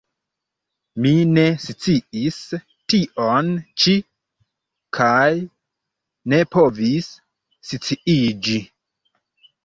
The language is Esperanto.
Mi ne sciis tion ĉi kaj ne povis sciiĝi.